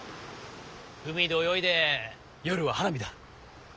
海で泳いで夜は花火だ。